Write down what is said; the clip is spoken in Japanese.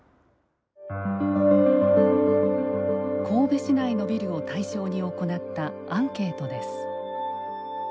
神戸市内のビルを対象に行ったアンケートです。